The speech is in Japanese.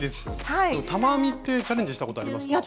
玉編みってチャレンジしたことありますか？